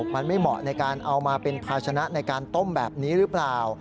มันไม่เหมาะในการเอามาเป็นภาชนะในการต้มแบบนี้หรือเปล่า